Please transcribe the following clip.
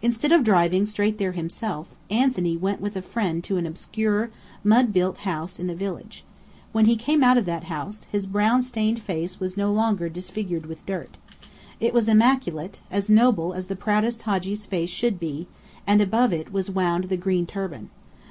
Instead of driving straight there himself, Anthony went with a friend to an obscure, mud built house in the village. When he came out of that house, his brown stained face was no longer disfigured with dirt. It was as immaculate, as noble as the proudest Hadji's face should be, and above it was wound the green turban.